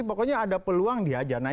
pokoknya ada peluang dihajar